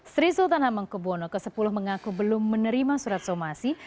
sri sultan hamengkubwono x mengaku belum menerima surat somasi